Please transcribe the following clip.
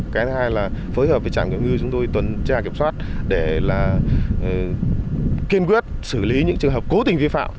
cái thứ hai là phối hợp với trạm kiểm ngư chúng tôi tuần tra kiểm soát để là kiên quyết xử lý những trường hợp cố tình vi phạm